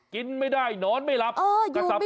กินไม่ได้นอนไม่หลับ